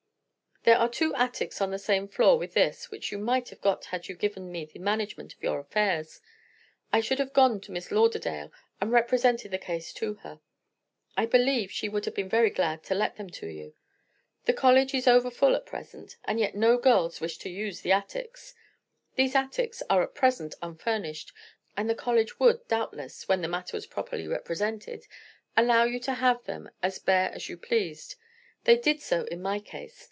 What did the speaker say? There are two attics on the same floor with this, which you might have got had you given me the management of your affairs. I should have gone to Miss Lauderdale and represented the case to her. I believe she would have been very glad to let them to you. The college is overfull at present, and yet no girls wish to use the attics. These attics are at present unfurnished, and the college would, doubtless, when the matter was properly represented, allow you to have them as bare as you pleased. They did so in my case.